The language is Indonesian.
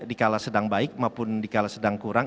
dikala sedang baik maupun dikala sedang kurang